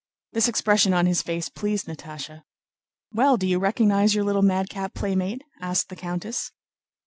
This expression on his face pleased Natásha. "Well, do you recognize your little madcap playmate?" asked the countess.